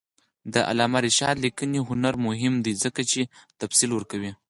د علامه رشاد لیکنی هنر مهم دی ځکه چې تفصیل ورکوي.